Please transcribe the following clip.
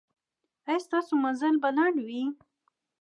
ایا ستاسو مزل به لنډ وي؟